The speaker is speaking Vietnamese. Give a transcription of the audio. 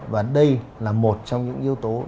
và đây là một trong những yếu tố